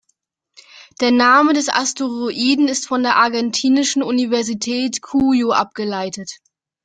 Der Name des Asteroiden ist von der argentinischen Universität Cuyo abgeleitet.